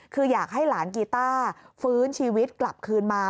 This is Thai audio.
คืออยากให้หลานกีต้าฟื้นชีวิตกลับคืนมา